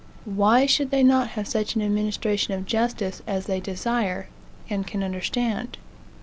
Why should they not have such an administration of justice as they desire, and can understand?